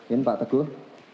ini pak teguh